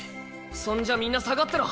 そんじゃみんな下がってろ。